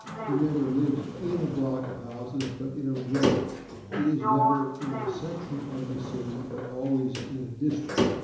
He never lives in a /block/ of houses, but in a /row/; it is never in a /section/ of the city, but always in a /district